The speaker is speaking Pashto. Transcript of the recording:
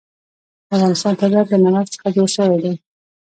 د افغانستان طبیعت له نمک څخه جوړ شوی دی.